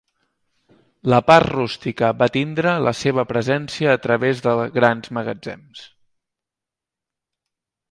La part rústica va tindre la seva presència a través de grans magatzems.